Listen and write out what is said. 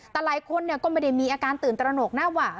แต่หลายคนก็ไม่ได้มีอาการตื่นตระหนกหน้าหว่า